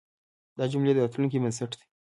دا جملې د راتلونکي بنسټ دی.